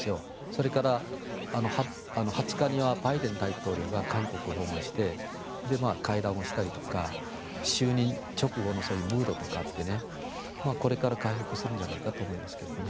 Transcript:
それから２０日にはバイデン大統領が韓国を訪問して会談をしたりとか就任直後のそういうムードとかこれから回復するのではと思います。